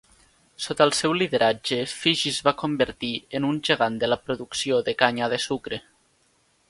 Sota el seu lideratge, Fiji es va convertir en un gegant de la producció de canya de sucre.